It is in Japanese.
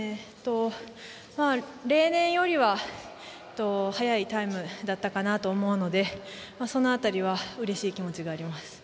例年よりは速いタイムだったかなと思うのでその辺りはうれしい気持ちがあります。